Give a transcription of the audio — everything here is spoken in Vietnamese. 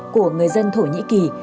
của người dân thổ nhĩ kỳ